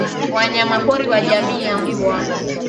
wanyamapori wa jamii ya mbwa